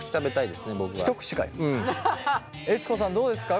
悦子さんどうですか？